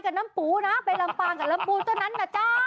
กับน้ำปูนะไปลำฟางกับลำปูต้นั้นนะ